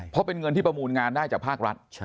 เพราะเป็นเงินที่ประมูลงานได้จากภาครัฐ